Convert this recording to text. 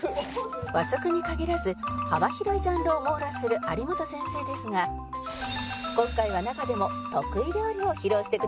和食に限らず幅広いジャンルを網羅する有元先生ですが今回は中でも得意料理を披露してくださるそうです